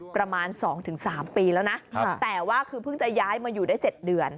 ประมาณสองถึงสามปีแล้วนะครับแต่ว่าคือเพิ่งจะย้ายมาอยู่ได้เจ็ดเดือน